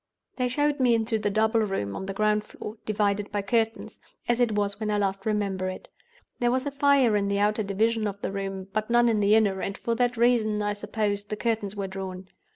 "They showed me into the double room on the ground floor, divided by curtains—as it was when I last remember it. There was a fire in the outer division of the room, but none in the inner; and for that reason, I suppose, the curtains were drawn.